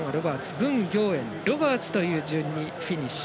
文暁燕、ロバーツという順にフィニッシュ。